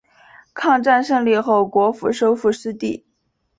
抗战胜利后国府收复失地。